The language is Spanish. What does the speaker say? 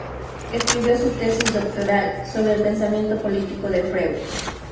Escribió su tesis doctoral sobre el pensamiento político de Freud.